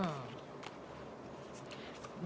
อืม